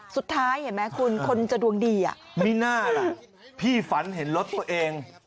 สุดท้ายเห็นไหมคุณคนจะดวงดีอ่ะมิน่าล่ะพี่ฝันเห็นรถตัวเอง